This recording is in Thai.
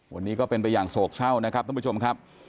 วันนี้ก็เป็นไปยังกเช่านะครับคุณผู้ชมครับ